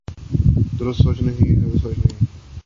درست سوچ نہیں۔